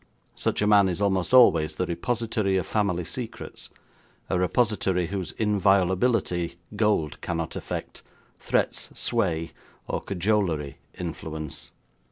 Such a man is almost always the repository of family secrets; a repository whose inviolability gold cannot affect, threats sway, or cajolery influence.